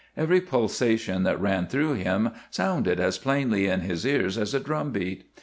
Every pulsation that ran through him sounded as plainly in his ears as a drum beat.